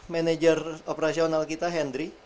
manager operasional kita hendry